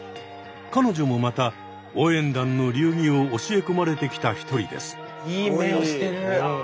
彼女もまた応援団の流儀を教え込まれてきた一人です。